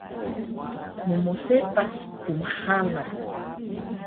mmsepac kmxalan